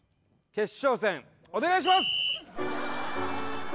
決勝戦お願いします